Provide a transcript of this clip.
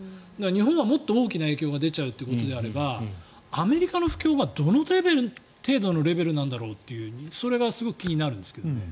日本はもっと大きな影響が出ちゃうというのであればアメリカの不況がどの程度のレベルなんだろうというそれがすごく気になるんですけど。